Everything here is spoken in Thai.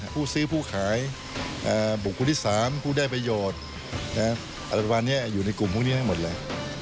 ผู้ซื้อผู้ขายบุคคลที่๓ผู้ได้ประโยชน์อะไรประมาณนี้อยู่ในกลุ่มพวกนี้ทั้งหมดเลย